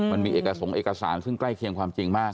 มันมีเอกสงค์เอกสารซึ่งใกล้เคียงความจริงมาก